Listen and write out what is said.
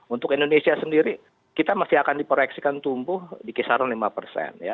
untuk indonesia sendiri kita masih akan diproyeksikan tumbuh di kisaran lima persen